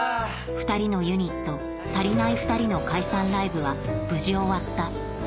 ２人のユニットたりないふたりの解散ライブは無事終わった